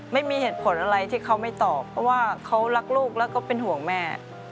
ไม่มีเหตุผลอะไรที่เขาไม่ตอบเพราะว่าเขารักลูกแล้วก็เป็นห่วงแม่